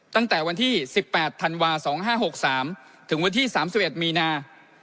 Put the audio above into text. ตั้งแต่วันที่๑๘ธันวา๒๕๖๓ถึงวันที่๓๑มีนา